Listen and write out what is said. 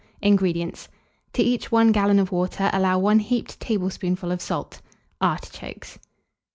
INGREDIENTS. To each 1 gallon of water allow 1 heaped tablespoonful of salt; artichokes.